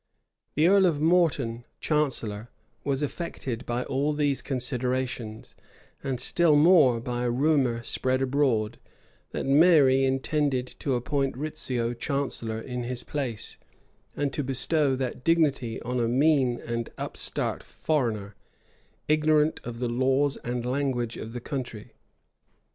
[*] The earl of Morton, chancellor, was affected by all these considerations, and still more by a rumor spread abroad, that Mary intended to appoint Rizzio chancellor in his place, and to bestow that dignity on a mean and upstart foreigner, ignorant of the laws and language of the country.